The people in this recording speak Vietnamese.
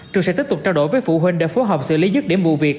trường sẽ tiếp tục trao đổi với phụ huynh để phối hợp xử lý dứt để mù việc